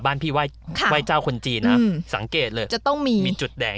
บ้านพี่ไหว้ค่ะไหว้เจ้าคนจีนนะอืมสังเกตเลยจะต้องมีมีจุดแดง